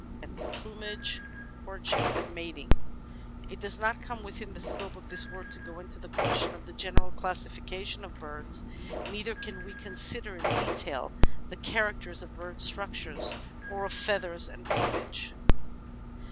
§ 12 PLUMAGE, COURTSHIP, AND MATING It does not come within the scope of this work to go into the question of the general classification of birds, neither can we con sider in detail the characters of bird structiure or of feathers and plumage.